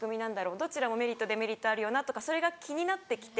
どちらもメリットデメリットあるよなとかそれが気になって来て。